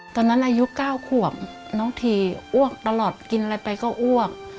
อายุ๙ขวบน้องทีอ้วกตลอดกินอะไรไปก็อ้วก